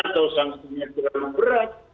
atau sangsirnya terlalu berat